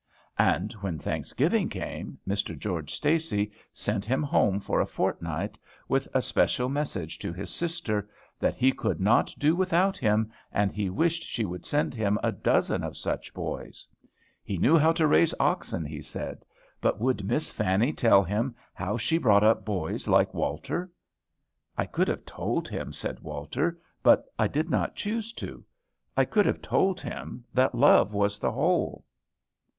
And when Thanksgiving came, Mr. George Stacy sent him home for a fortnight, with a special message to his sister, "that he could not do without him, and he wished she would send him a dozen of such boys. He knew how to raise oxen, he said; but would Miss Fanny tell him how she brought up boys like Walter?" "I could have told him," said Walter, "but I did not choose to; I could have told him that love was the whole."